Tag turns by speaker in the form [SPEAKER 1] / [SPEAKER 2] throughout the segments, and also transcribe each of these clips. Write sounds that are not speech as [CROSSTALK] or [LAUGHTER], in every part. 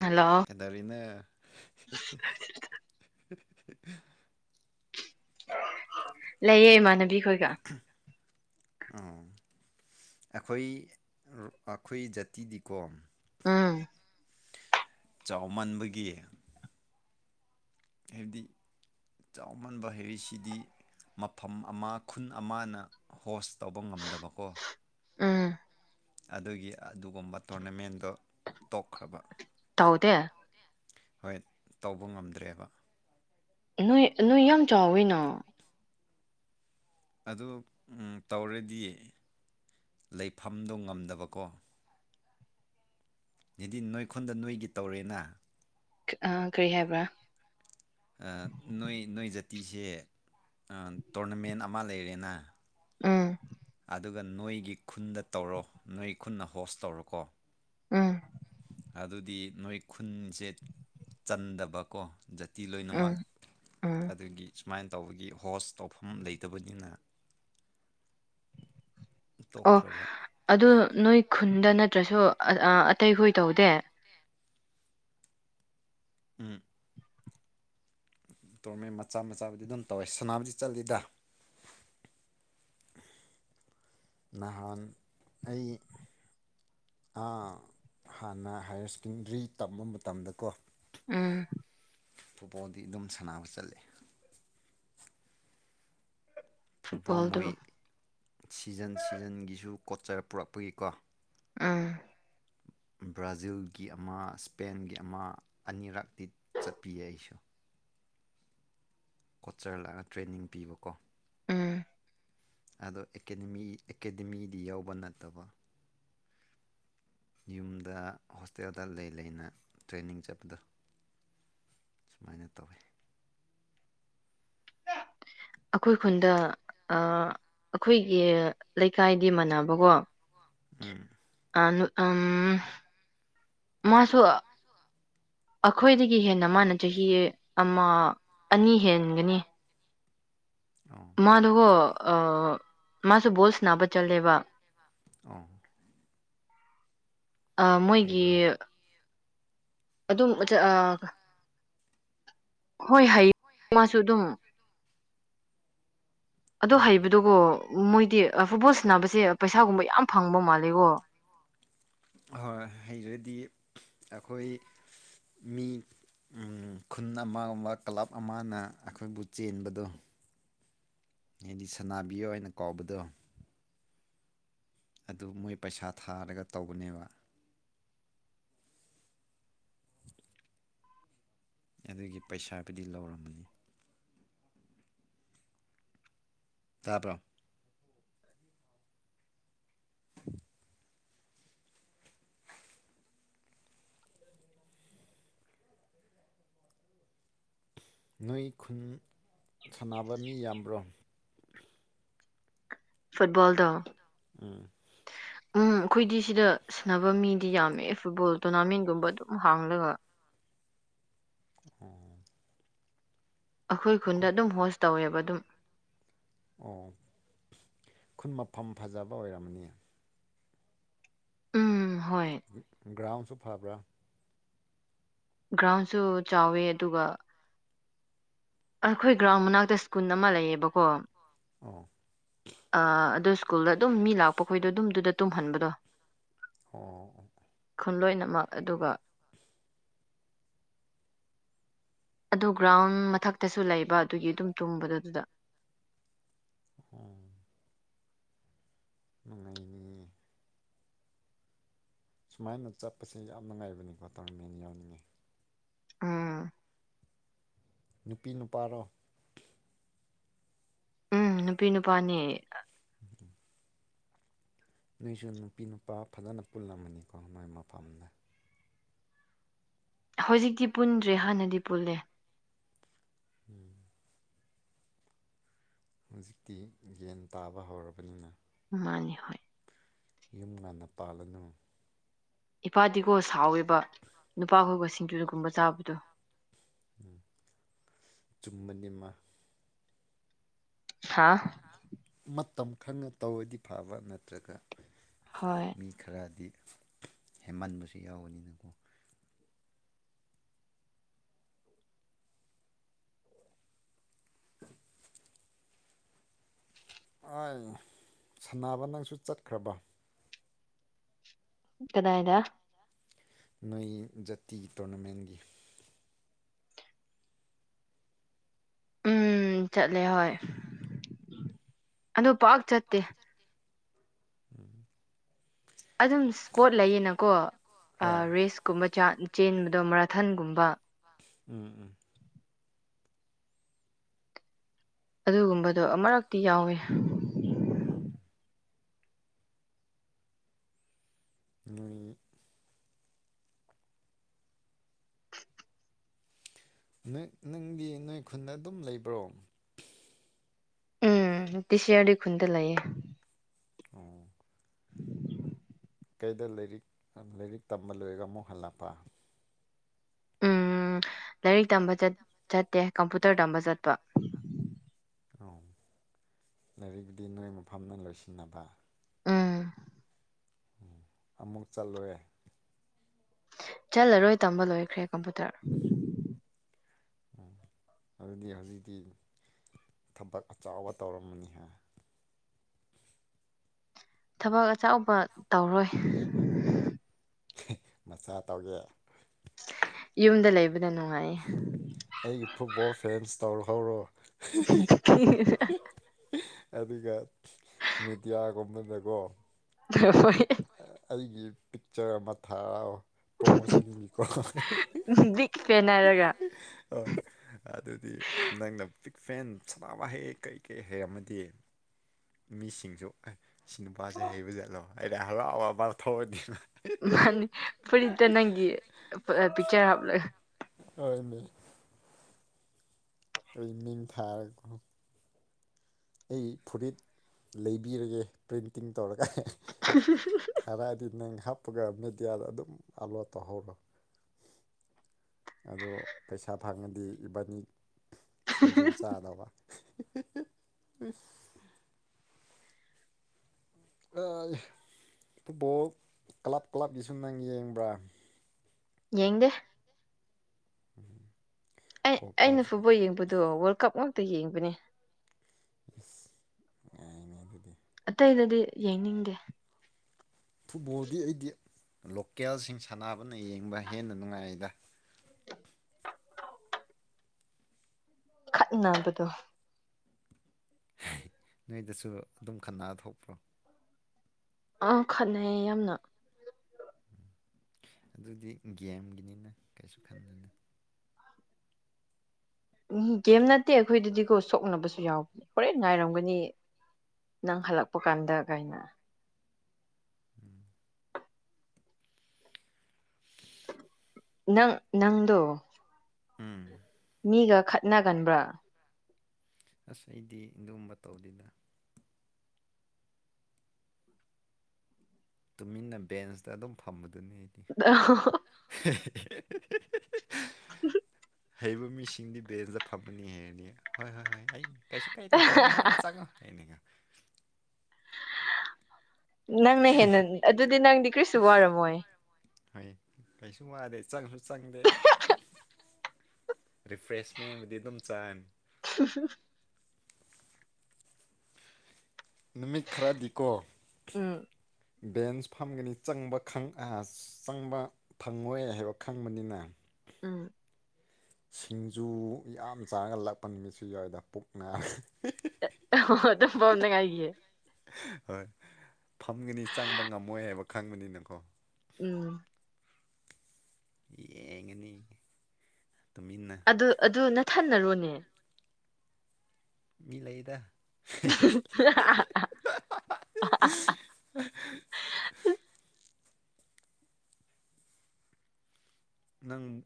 [SPEAKER 1] hello
[SPEAKER 2] ꯑꯦꯗꯔꯤꯅꯦ
[SPEAKER 1] ꯂꯩꯌꯦꯦ ꯃꯥꯅꯦ
[SPEAKER 2] ꯑ ꯑꯩꯈꯣꯏ ꯑꯩꯈꯣꯏ ꯖꯥꯇꯤꯗꯤꯀꯣ
[SPEAKER 1] ꯑꯥ
[SPEAKER 2] ꯆꯥꯎꯃꯟꯕꯒꯤ ꯍꯥꯏꯕꯗꯤ ꯆꯥꯎꯃꯟꯕ ꯍꯥꯏꯔꯤꯁꯤꯗꯤ ꯃꯐꯝ ꯑꯃ ꯈꯨꯟ ꯑꯃꯅ ꯍꯣꯁ ꯇꯧꯕ ꯉꯝꯗꯕꯀꯣ
[SPEAKER 1] ꯎꯝ
[SPEAKER 2] ꯑꯗꯨꯒꯤ ꯑꯗꯨꯒꯨꯝꯕ ꯇꯣꯔꯅꯃꯦꯟꯗꯣ ꯇꯣꯛꯈ꯭ꯔꯕ
[SPEAKER 1] ꯇꯎꯗꯦ
[SPEAKER 2] ꯍꯣꯏ ꯇꯧꯕ ꯉꯝꯗ꯭ꯔꯦꯕ
[SPEAKER 1] ꯅꯣꯏ ꯅꯣꯏ ꯌꯥꯝ ꯆꯥꯎꯋꯤꯅ
[SPEAKER 2] ꯑꯗꯨ ꯇꯧꯔꯗꯤ ꯂꯩꯐꯝꯗꯣ ꯉꯝꯗꯕꯀꯣ ꯅꯤꯗꯤ ꯅꯣꯏꯈꯣꯟꯗ ꯅꯣꯏꯒꯤ ꯇꯧꯔꯦꯅ
[SPEAKER 1] ꯑ ꯀꯔꯤ ꯍꯥꯏꯕ꯭ꯔꯥ
[SPEAKER 2] ꯅꯣꯏ ꯅꯣꯏ ꯖꯥꯇꯤꯁꯦ ꯇꯣꯔꯅꯃꯦꯟ ꯑꯃ ꯂꯩꯔꯦꯅ
[SPEAKER 1] ꯎꯝ
[SPEAKER 2] ꯑꯗꯨꯒ ꯅꯣꯏꯒꯤ ꯈꯨꯟꯗ ꯇꯧꯔꯣ ꯅꯣꯏ ꯈꯨꯟꯅ ꯍꯣꯁ ꯇꯧꯔꯣꯀꯣ
[SPEAKER 1] ꯑꯝ
[SPEAKER 2] ꯑꯗꯨꯗꯤ ꯅꯣꯏ ꯈꯨꯟꯁꯦ ꯆꯟꯗꯕꯀꯣ ꯇꯇꯤ ꯂꯣꯏꯅꯃꯛ
[SPEAKER 1] ꯎꯝ ꯎꯝ
[SPEAKER 2] ꯑꯗꯨꯒꯤ ꯁꯨꯃꯥꯏꯅ ꯇꯧꯕꯒꯤ ꯍꯣꯁ ꯇꯧꯐꯝ ꯂꯩꯇꯕꯅꯤꯅ
[SPEAKER 1] ꯑꯣ
[SPEAKER 2] ꯇꯣꯛꯈ꯭ꯔꯕ
[SPEAKER 1] ꯑꯗꯨ ꯅꯣꯏ ꯈꯨꯟꯗ ꯅꯠꯇ꯭ꯔꯁꯨ ꯑꯇꯩꯈꯣꯏ ꯇꯧꯗꯦ
[SPEAKER 2] ꯎꯝ ꯇꯣꯔꯃꯦꯟ ꯃꯆꯥ ꯃꯆꯥꯕꯨꯗꯤ ꯑꯗꯨꯝ ꯇꯧꯋꯦ ꯁꯅꯥꯕꯨꯗꯤ ꯆꯜꯂꯤꯠꯂꯤꯗ ꯅꯍꯥꯟ ꯑꯩ ꯍꯥꯟꯅ ꯍꯥꯏꯌꯔ ꯁꯦꯀꯦꯟꯗꯔꯤ ꯇꯝꯕ ꯃꯇꯝꯗꯀꯣ
[SPEAKER 1] ꯑꯥ
[SPEAKER 2] ꯐꯨꯠꯕꯣꯜꯗꯤ ꯑꯗꯨꯝ ꯁꯥꯟꯅꯕ ꯆꯠꯂ ꯐꯨꯠꯕꯣꯜ
[SPEAKER 1] ꯐꯨꯠꯕꯣꯜꯗꯨ
[SPEAKER 2] ꯃꯣꯏ ꯁꯤꯖꯟ ꯁꯤꯖꯟꯒꯤꯁꯨ ꯀꯣꯠꯆꯔ ꯄꯨꯔꯛꯄꯒꯤꯀꯣ
[SPEAKER 1] ꯑꯥ
[SPEAKER 2] ꯕ꯭ꯔꯥꯖꯤꯜꯒꯤ ꯑꯃ ꯏꯁꯄꯦꯟꯒꯤ ꯑꯃ ꯑꯅꯤꯔꯛꯇꯛꯇꯤ ꯆꯠꯄꯤꯌꯦ ꯑꯩꯁꯨ ꯀꯣꯠꯆꯔꯜꯂꯛꯒ ꯇ꯭ꯔꯦꯅꯤꯡ ꯄꯤꯕꯀꯣ
[SPEAKER 1] ꯎꯝ
[SPEAKER 2] ꯑꯗꯣ ꯑꯦꯀꯥꯗꯃꯤꯗꯤ ꯌꯥꯎꯕ ꯅꯠꯇꯕ ꯌꯨꯝꯗ ꯍꯣꯁꯇꯦꯜꯗ ꯂꯩ ꯂꯩꯅ ꯇ꯭ꯔꯦꯅꯤꯡ ꯆꯠꯄꯗꯣ ꯁꯨꯃꯥꯏꯅ ꯇꯧꯋꯦꯤ
[SPEAKER 1] ꯑꯩꯈꯣꯏ ꯈꯨꯟꯗ ꯑꯩꯈꯣꯏꯒꯤ ꯂꯩꯀꯥꯏꯗꯤ ꯃꯥꯟꯅꯕꯀꯣ
[SPEAKER 2] ꯎꯝ
[SPEAKER 1] ꯎꯝ ꯃꯥꯁꯨ ꯑꯩꯈꯣꯏꯗꯒꯤ ꯍꯦꯟꯅ ꯃꯥꯅ ꯆꯍꯤ ꯑꯃ ꯑꯅꯤ ꯍꯦꯟꯒꯅꯤ
[SPEAKER 2] ꯑꯣ
[SPEAKER 1] ꯃꯥꯗꯨꯒꯣ ꯃꯥꯁꯨ ꯕꯣꯜꯁ ꯅꯥꯕ ꯆꯠꯂꯦꯕ
[SPEAKER 2] ꯑ
[SPEAKER 1] ꯑ ꯃꯣꯏꯒꯤ
[SPEAKER 2] ꯍꯩꯕ꯭ꯔꯣ
[SPEAKER 1] ꯑꯗꯨꯝ ꯍꯣꯏ ꯍꯌꯦꯡ ꯃꯥꯁꯨ ꯑꯗꯨꯝ ꯑ ꯍꯩꯕꯗꯨꯒꯣ ꯃꯣꯏꯗꯤ ꯐꯨꯠꯕꯣꯜ ꯅꯕꯁꯦ ꯄꯩꯁꯥꯒꯨꯝꯕ ꯌꯥꯝ ꯐꯪꯕ ꯃꯥꯜꯂꯦꯀꯣ
[SPEAKER 2] ꯍ ꯍꯩꯔꯗꯤ ꯑꯩꯈꯣꯏ ꯃꯤ ꯈꯨꯟ ꯑꯃꯒꯨꯝꯕ ꯀ꯭ꯂꯕ ꯑꯃꯅ ꯑꯩꯈꯣꯏꯕꯨ ꯆꯦꯟꯕꯗꯣ ꯍꯥꯏꯗꯤ ꯁꯅꯥꯕꯤꯌꯣ ꯑꯣꯏꯅ ꯀꯧꯕꯗꯣ ꯑꯗꯨ ꯃꯣꯏ ꯄꯩꯁꯥ ꯊꯥꯔꯒ ꯇꯧꯕꯅꯦꯕ ꯑꯗꯨꯒꯤ ꯄꯩꯁꯥꯕꯨꯗꯤ ꯂꯧꯔꯝꯃꯅꯤ ꯇꯔꯕꯣ [INAUDIBLE] ꯅꯣꯏ ꯈꯨꯟ ꯁꯥꯟꯅꯕ ꯃꯤ ꯌꯥꯝꯕ꯭ꯔꯣ
[SPEAKER 1] ꯐꯨꯠꯕꯜꯗ
[SPEAKER 2] ꯎꯝ
[SPEAKER 1] ꯎꯝ ꯑꯩꯈꯣꯏꯗꯤ ꯁꯤꯗ ꯁꯥꯟꯅꯕ ꯃꯤꯗꯤ ꯌꯥꯝꯃꯦ ꯐꯨꯠꯕꯣꯜ ꯇꯣꯔꯅꯥꯃꯦꯟꯒꯨꯝꯕ ꯑꯗꯨꯝ ꯍꯥꯡꯂꯒ
[SPEAKER 2] ꯎꯝ
[SPEAKER 1] ꯑꯩꯈꯣꯏ ꯈꯨꯟꯗ ꯑꯗꯨꯝ ꯍꯣꯁ ꯇꯧꯋꯦꯕ ꯑꯗꯨꯝ
[SPEAKER 2] ꯑꯣ ꯈꯨꯟ ꯃꯐꯝ ꯐꯖꯕ ꯑꯣꯏꯔꯝꯃꯅꯤ
[SPEAKER 1] ꯎꯝ ꯍꯣꯏ
[SPEAKER 2] ꯒ꯭ꯔꯥꯎꯟꯁꯨ ꯐꯕ꯭ꯔꯥ
[SPEAKER 1] ꯒ꯭ꯔꯥꯎꯟꯁꯨ ꯆꯥꯎꯋꯦ ꯑꯗꯨꯒ ꯑꯩꯈꯣꯏ ꯒ꯭ꯔꯥꯎꯟ ꯃꯅꯥꯛꯇ ꯁ꯭ꯀꯨꯜ ꯑꯃ ꯂꯩꯌꯦꯕꯀꯣ
[SPEAKER 2] ꯑꯣ
[SPEAKER 1] ꯑ ꯑꯗꯨꯗꯣ ꯁ꯭ꯀꯨꯜꯗ ꯑꯗꯨꯝ ꯃꯤ ꯂꯥꯛꯄꯈꯣꯏꯗꯣ ꯑꯗꯨꯝ ꯑꯗꯨꯗ ꯇꯨꯝꯍꯟꯕꯗꯣ
[SPEAKER 2] ꯑꯣ
[SPEAKER 1] ꯈꯨꯟꯂꯣꯏꯅꯃꯛ ꯑꯗꯨꯒ ꯑꯗꯨ ꯒ꯭ꯔꯥꯎꯟ ꯃꯊꯛꯇꯁꯨ ꯂꯩꯕ ꯑꯗꯨꯒꯤ ꯑꯗꯨꯝ ꯇꯨꯝꯕꯗꯣ ꯑꯗꯨꯗ
[SPEAKER 2] ꯎꯝ ꯅꯨꯡꯅꯤ ꯁꯨꯃꯥꯏꯅ ꯆꯠꯄꯁꯦ ꯌꯥꯝ ꯅꯨꯡꯉꯥꯏꯕꯅꯤꯀꯣ ꯇꯣꯔꯅꯥꯃꯦꯟ ꯌꯥꯎꯅꯤꯡꯉꯤ
[SPEAKER 1] ꯑꯝ
[SPEAKER 2] ꯅꯨꯄꯤ ꯅꯨꯄꯥꯔꯣ
[SPEAKER 1] ꯎꯝ ꯅꯨꯄꯤ ꯅꯨꯄꯥꯅꯤ
[SPEAKER 2] ꯅꯣꯏꯁꯨ ꯅꯨꯄꯤ ꯅꯨꯄꯥ ꯐꯖꯅ ꯄꯨꯜꯂꯝꯃꯅꯤꯀꯣ ꯃꯣꯏ ꯃꯐꯝꯗ
[SPEAKER 1] ꯍꯧꯖꯤꯛꯇꯤ ꯄꯨꯟꯗ꯭ꯔꯦ ꯍꯥꯟꯅꯗꯤ ꯄꯨꯜꯂꯦ
[SPEAKER 2] ꯎꯝ [INAUDIBLE] ꯍꯧꯖꯤꯛꯇꯤ ꯌꯦꯟ ꯇꯥꯕ ꯍꯧꯔꯕꯅꯤꯅ
[SPEAKER 1] ꯃꯥꯅꯤ ꯍ [INAUDIBLE]
[SPEAKER 2] ꯌꯨꯝ ꯉꯥꯟꯟꯅ ꯄꯥꯜꯂꯅ
[SPEAKER 1] ꯏꯄꯥꯗꯤꯒꯣ ꯁꯥꯎꯋꯦꯕ ꯅꯨꯄꯥꯈꯣꯏꯕ ꯁꯤꯡꯖꯨꯅꯒꯨꯝꯕ ꯆꯥꯕꯗꯣ
[SPEAKER 2] ꯎꯝ ꯆꯨꯝꯕꯅꯤꯃ
[SPEAKER 1] ꯍꯥꯥ
[SPEAKER 2] ꯃꯇꯝ ꯈꯪꯅ ꯇꯧꯔꯗꯤ ꯐꯕ ꯅꯠꯇ꯭ꯔꯒ
[SPEAKER 1] ꯍꯣꯏ
[SPEAKER 2] ꯃꯤ ꯈꯔꯗꯤ ꯍꯦꯃꯟꯕꯁꯨ ꯌꯥꯎꯕꯅꯤꯅꯀꯣ [UNINTELLIGIBLE] [INAUDIBLE] ꯑꯩ ꯁꯥꯟꯅꯕ ꯅꯪꯁꯨ ꯆꯠꯈ꯭ꯔꯕ
[SPEAKER 1] ꯀꯗꯥꯗ
[SPEAKER 2] ꯅꯣꯏ ꯖꯥꯇꯤꯒꯤ ꯇꯣꯔꯅꯥꯃꯦꯟꯒꯤ
[SPEAKER 1] ꯎꯝ ꯆꯠꯂꯦ ꯍꯣꯏ ꯑꯗꯨ ꯄꯥꯛ ꯆꯠꯇꯦ
[SPEAKER 2] ꯎꯝ [INAUDIBLE] [INAUDIBLE]
[SPEAKER 1] ꯑꯗꯨꯝ ꯏꯁꯄꯣꯠ ꯂꯩꯌꯦꯅꯀꯣ
[SPEAKER 2] ꯍꯣꯏ
[SPEAKER 1] ꯔꯦꯁꯀꯨꯝꯕ ꯆꯥ ꯆꯦꯟꯕꯗꯣ ꯃꯔꯥꯊꯟꯒꯨꯝꯕ
[SPEAKER 2] ꯎꯝ ꯎꯝ
[SPEAKER 1] ꯑꯗꯨꯒꯨꯝꯕꯗꯣ ꯑꯃꯨꯔꯛꯇꯤ ꯌꯥꯎꯋꯤ
[SPEAKER 2] ꯎꯝ ꯃ [INAUDIBLE] ꯅꯪꯗꯤ ꯅꯣꯏ ꯈꯨꯟꯗ ꯑꯗꯨꯝ ꯂꯩꯕ꯭ꯔꯣ
[SPEAKER 1] ꯎꯝ ꯇ ꯁꯤꯌꯥꯔ ꯈꯨꯟꯗ ꯂꯑꯌꯦꯦ
[SPEAKER 2] ꯑꯣ [INAUDIBLE] ꯀꯩꯗ ꯂꯥꯏꯔꯤꯛ ꯂꯥꯏꯔꯤꯛ ꯇꯝꯕ ꯂꯣꯏꯔꯒ ꯑꯃꯨꯛ ꯍꯜꯂꯛꯄ
[SPEAKER 1] ꯎꯝ ꯂꯥꯏꯔꯤꯛ ꯇꯝꯕ ꯆꯠꯇꯦ ꯀꯝꯄꯨꯇꯔ ꯇꯝꯕ ꯆꯠꯄ
[SPEAKER 2] ꯑ ꯂꯥꯏꯔꯤꯛꯨꯗꯤ ꯅꯣꯏ ꯃꯐꯝꯅ ꯂꯣꯏꯁꯤꯟꯅꯕ
[SPEAKER 1] ꯎꯝ
[SPEAKER 2] ꯑꯃꯨꯛ ꯆꯠꯂꯨꯔꯦ
[SPEAKER 1] ꯆꯠꯂꯔꯣꯏ ꯇꯝꯕ ꯂꯣꯏꯈ꯭ꯔꯦ ꯀꯝꯄꯨꯇꯔ
[SPEAKER 2] ꯎ ꯑꯗꯨꯗꯤ ꯍꯧꯖꯤꯗꯤ ꯊꯕꯛ ꯑꯆꯕ ꯇꯧꯔꯝꯝꯕꯅꯤ ꯍꯥꯏ
[SPEAKER 1] ꯊꯕꯛ ꯑꯆꯧꯕ ꯇꯧꯔꯣꯏ
[SPEAKER 2] ꯃꯆꯥ ꯇꯧꯒꯦ
[SPEAKER 1] ꯌꯨꯝꯗꯥ ꯂꯩꯕꯗ ꯅꯨꯡꯉꯥꯏꯌꯦ
[SPEAKER 2] ꯑꯩꯒꯤ ꯐꯨꯠꯕꯣꯜ ꯐꯦꯟꯁ ꯇꯧꯔꯍꯧꯔꯣ
[SPEAKER 1] [UNINTELLIGIBLE]
[SPEAKER 2] ꯑꯗꯨꯒꯥ ꯃꯦꯗꯤꯌꯥꯒꯨꯝꯕꯗꯀꯣ
[SPEAKER 1] ꯍꯣꯏ
[SPEAKER 2] ꯑꯩꯒꯤ ꯄꯤꯛꯆꯔ ꯑꯃꯥ ꯊꯥ ꯄ꯭ꯔꯃꯣꯁꯟ ꯒꯤ ꯀ‌ꯣ
[SPEAKER 1] ꯕꯤꯛ ꯐꯦꯟ ꯍꯥꯏꯔꯒ
[SPEAKER 2] ꯍꯣꯏ ꯑꯗꯨꯗꯤ ꯅꯪꯅ ꯐꯦꯟ ꯁꯥꯟꯅꯕ ꯍꯩ ꯀꯩ ꯀꯩ ꯍꯩꯃ ꯃꯤꯁꯤꯡꯁꯨ ꯁꯤ ꯅꯨꯄꯥꯁꯦ ꯍꯩꯕ ꯆꯠꯂꯣ ꯑꯩꯗꯤ ꯍꯔꯥꯎꯕ ꯃꯥ ꯊꯧꯔꯗꯤꯅ
[SPEAKER 1] ꯃꯥꯅꯤ ꯐ‌ꯨꯔꯤꯠꯇ‌ꯣ ꯅꯪꯒꯤ ꯄꯤꯛꯆꯔ ꯍꯥꯂ
[SPEAKER 2] ꯀꯃꯤ [INAUDIBLE] ꯑꯩꯃꯤꯡ ꯊꯥꯔꯀꯣ ꯑꯩ ꯐꯨꯔꯤꯠ ꯂꯩꯕꯤꯔꯒꯦ ꯄ꯭ꯔꯤꯟꯇꯤꯡ ꯇꯣꯔꯀꯥꯏ ꯊꯔꯥꯗꯤ ꯅ ꯈꯞ ꯍꯥꯞꯄꯒ ꯃꯦꯗꯤꯌꯥꯗ ꯑꯗꯨꯝ ꯑꯥꯂꯣ ꯇꯧꯍꯧꯔꯣ ꯑꯗꯣ ꯄꯩꯁꯥ ꯐꯪꯉꯗꯤ ꯏꯕꯥꯅꯤ ꯁꯤꯡꯖꯨ ꯆꯥꯗꯕ ꯎꯝ ꯐꯨꯠꯕꯣꯜ ꯀ꯭ꯂꯕ ꯀ꯭ꯂꯕꯀꯤꯁꯨ ꯅꯪ ꯌꯦꯡꯕ꯭ꯔꯥ
[SPEAKER 1] ꯌꯦꯒ
[SPEAKER 2] ꯎꯝ
[SPEAKER 1] ꯑꯩ ꯑꯩꯅ ꯐꯨꯠꯕꯣꯜ ꯌꯦꯡꯕꯗꯣ ꯋꯥꯔꯜ ꯀꯞ ꯉꯇ ꯌꯦꯡꯕꯅꯦ
[SPEAKER 2] ꯌꯥꯏꯅꯦ ꯑꯗꯨꯗꯤ
[SPEAKER 1] ꯑꯇꯩꯗꯗꯤ ꯌꯩꯅꯤꯡꯗꯦ
[SPEAKER 2] ꯐꯨꯠꯕꯣꯜꯗꯤ ꯑꯩꯗꯤ ꯂꯣꯀꯦꯜꯁꯤꯡ ꯁꯥꯟꯅꯕꯅ ꯌꯦꯡꯕ ꯍꯦꯟꯅ ꯅꯨꯡꯉꯥꯏꯗ
[SPEAKER 1] ꯈꯠ ꯅꯕꯗꯣ
[SPEAKER 2] ꯅꯣꯏꯗꯁꯨ ꯑꯗꯨꯝ ꯈꯟꯅ ꯊꯣꯛꯄ꯭ꯔꯣ
[SPEAKER 1] ꯑꯥ ꯈꯠꯅꯩꯌꯦ ꯌꯥꯝꯅ
[SPEAKER 2] ꯑꯗꯨꯗꯤ ꯒꯦꯝꯒꯤꯅꯤꯅ ꯀꯩꯁꯨ ꯈꯟꯗꯅ
[SPEAKER 1] ꯎꯝ ꯒꯦꯝ ꯅꯠꯇꯦ ꯑꯩꯈꯣꯏꯗꯗꯤꯀꯣ ꯁꯣꯛꯅꯕꯁꯨ ꯌꯥꯎꯕꯅꯦ ꯍꯣꯔꯦꯟ ꯉꯅꯥꯔꯝꯒꯅꯤ ꯅꯪ ꯍꯜꯂꯛꯄ ꯀꯥꯟꯗ ꯀꯥꯏꯩꯅ ꯅꯪ ꯅꯪꯗꯣ
[SPEAKER 2] ꯎꯝ
[SPEAKER 1] ꯃꯤꯒ ꯈꯠꯅꯒꯟꯕ꯭ꯔꯥ
[SPEAKER 2] ꯑꯁ ꯑꯩꯗꯤ ꯏꯟꯕ ꯇꯧꯗꯅ ꯇꯨꯃꯤꯟꯅ ꯕꯦꯟꯁꯇ ꯑꯗꯨꯝ ꯐꯝꯕꯗꯨꯅꯤ ꯑꯩꯗꯤ ꯍꯩꯕ ꯃꯤꯁꯤꯡꯗꯤ ꯕꯦꯟꯁꯇ ꯐꯝꯃꯅꯤ ꯍꯩꯔꯅꯤ ꯍꯣꯏ ꯍꯣꯏ ꯍꯣꯏ ꯀꯩꯁꯨ ꯀꯩꯗꯦ ꯅꯣꯏ ꯍꯥꯟꯅ ꯆꯪꯉꯣ ꯍꯥꯏꯅꯤꯡꯉꯣ
[SPEAKER 1] ꯅꯪꯅ ꯍꯦꯟꯅ ꯑꯗꯨꯗꯤ ꯅꯪꯗꯤ ꯀ꯭ꯔꯤꯁꯨ ꯋꯥꯔꯝꯃꯣꯏ
[SPEAKER 2] ꯍꯣꯏ ꯀꯩꯁꯨ ꯋꯥꯗꯦ ꯆꯪꯁꯨ ꯆꯪꯗꯦ ꯔꯤꯐ꯭ꯔꯦꯁꯃꯦꯟ ꯑꯃꯗꯤꯗꯤ ꯑꯗꯨꯝ ꯆꯥꯅꯤ
[SPEAKER 1] [INAUDIBLE]
[SPEAKER 2] ꯅꯨꯃꯤꯠ ꯈꯔꯗꯤꯀꯣ
[SPEAKER 1] ꯎꯝ
[SPEAKER 2] ꯕꯦꯟꯁ ꯐꯝꯒꯅꯤ ꯆꯪꯕ ꯑ ꯆꯪꯕ ꯐꯪꯉꯣꯏ ꯍꯥꯏꯕ ꯈꯪꯕꯅꯤꯅ
[SPEAKER 1] ꯎꯝ
[SPEAKER 2] ꯁꯤꯡꯖꯨ ꯌꯥꯝ ꯆꯥꯔꯒ ꯂꯥꯛꯄ ꯅꯨꯃꯤꯠꯁꯨ ꯌꯥꯎꯋꯏꯗ ꯄꯨꯛ ꯔꯦ
[SPEAKER 1] ꯇ ꯐꯅꯉꯥꯏꯦ
[SPEAKER 2] ꯍꯣꯏ ꯐꯝꯒꯅꯤ ꯆꯪꯕ ꯉꯝꯃꯣꯏ ꯍꯥꯏꯕ ꯈꯪꯕꯅꯤꯅꯀꯣ
[SPEAKER 1] ꯎꯝ
[SPEAKER 2] ꯌꯦꯡꯉꯅꯤ ꯇꯨꯃꯤꯟꯅ
[SPEAKER 1] ꯑꯗꯨ ꯑꯗꯨ ꯅꯊꯟꯅꯔꯣꯅꯦ
[SPEAKER 2] ꯃꯤ ꯂꯩꯗ
[SPEAKER 1] ꯑ
[SPEAKER 2] [INAUDIBLE] ꯅꯪ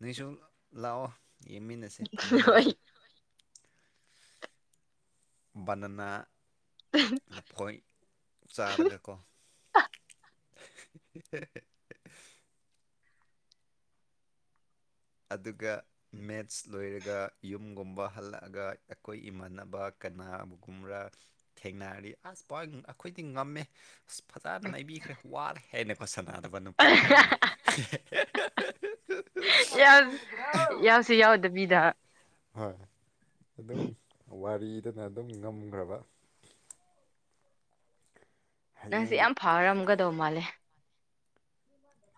[SPEAKER 2] ꯅꯣꯏꯁꯨ ꯂꯥꯛꯑꯣ ꯌꯦꯡꯃꯤꯟꯅꯁꯦ
[SPEAKER 1] ꯍꯣꯏ
[SPEAKER 2] ꯐꯝꯃꯤꯟꯅꯁꯦ ꯕꯅꯅ ꯂꯈ ꯆꯔꯒꯀ ꯑꯦ ꯑꯗꯨꯒ ꯃꯦꯠꯁ ꯂꯣꯏꯔꯒ ꯌꯨꯝꯒꯨꯝꯕ ꯍꯜꯂꯛꯑꯒ ꯑꯩꯈꯣꯏ ꯏꯃꯥꯟꯅꯕ ꯀꯅꯥꯕꯒꯨꯝꯕ꯭ꯔꯥ ꯊꯦꯡꯅꯔꯤ ꯑꯁ ꯄ ꯑꯩꯈꯣꯏꯗꯤ ꯉꯝꯃꯦ ꯑꯁ ꯐꯖꯅ ꯅꯩꯕꯤꯈ꯭ꯔꯦ ꯋꯥꯔꯦ ꯍꯥꯏꯦꯟꯅꯀꯣ ꯁꯥꯟꯅꯗꯕ ꯅꯨꯄꯥ ꯑꯩꯅ
[SPEAKER 1] ꯌꯥꯎ ꯌꯥꯁꯤ ꯌꯥꯎꯗ ꯕꯤꯗ
[SPEAKER 2] ꯍꯣꯏ ꯑꯗꯨꯝ ꯋꯥꯔꯤꯗꯅ ꯑꯗꯨꯝ ꯉꯝꯈ꯭ꯔꯕ
[SPEAKER 1] ꯅꯪꯁꯦ
[SPEAKER 2] ꯍꯌꯦꯡꯗꯤ
[SPEAKER 1] ꯌꯥꯝ ꯐꯔꯝꯒꯗꯧ ꯃꯥꯜꯂꯦ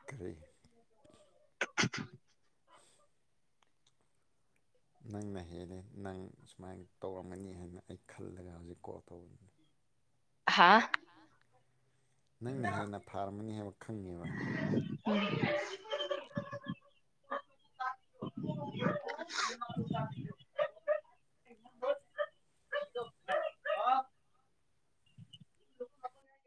[SPEAKER 2] ꯇꯔꯔꯤ
[SPEAKER 1] [INAUDIBLE]
[SPEAKER 2] ꯅꯪꯅ ꯍꯦꯜꯂꯦ ꯅꯪ ꯁꯨꯃꯥꯏꯅ ꯇꯧꯔꯝꯒꯅꯤ ꯍꯥꯏꯅ ꯑꯩ ꯈꯜꯂꯒ ꯍꯧꯖꯤꯛ ꯀꯣꯜ ꯇꯧꯕꯅꯤ
[SPEAKER 1] ꯍꯥꯥ
[SPEAKER 2] ꯅꯪꯅ ꯍꯦꯟꯅ ꯐꯥꯔꯝꯒꯅꯤ ꯍꯥꯏꯕ ꯈꯪꯉꯦꯕ [INAUDIBLE]
[SPEAKER 1] [INAUDIBLE]
[SPEAKER 2] [INAUDIBLE] [INAUDIBLE]